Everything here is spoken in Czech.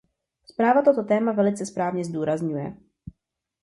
Zpráva toto téma velice správně zdůrazňuje.